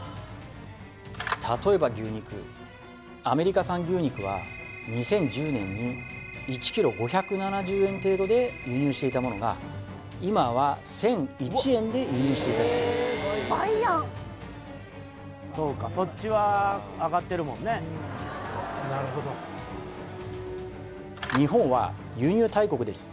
例えば牛肉アメリカ産牛肉は２０１０年に１ｋｇ５７０円程度で輸入していたものが今は１００１円で輸入していたりするんですそうか日本は輸入大国です